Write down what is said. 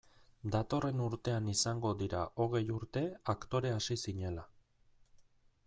Datorren urtean izango dira hogei urte aktore hasi zinela.